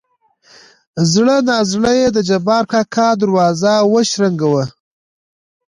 زړه نازړه يې د جبار کاکا دروازه وشرنګه وه.